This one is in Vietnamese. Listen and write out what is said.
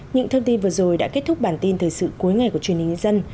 những thông tin vừa rồi đã kết thúc bản tin thời sự cuối ngày của truyền hình nhân dân